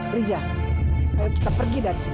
riza ayo kita pergi dari sini